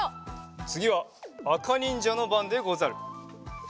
つぎはあかにんじゃのばんでござる。